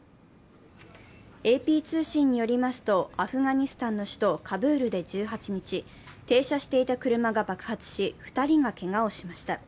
ＡＰ通信によりますと、アフガニスタンの首都カブールで１８日停車していた車が爆発し、２人がけがをしました。